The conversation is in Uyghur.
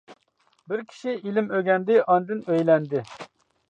بىر كىشى ئىلىم ئۆگەندى، ئاندىن ئۆيلەندى.